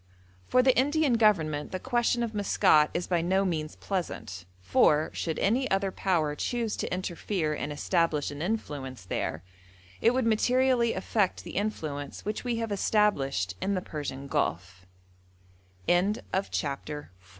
For the Indian Government the question of Maskat is by no means pleasant, for, should any other Power choose to interfere and establish an influence there, it would materially affect the influence which we have established in the Persian Gulf. FOOTNOTES: [Footnote 7: Pinkerton, vol.